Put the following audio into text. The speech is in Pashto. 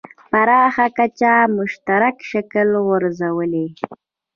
پراخه کچه مشترک شکل غورځولی.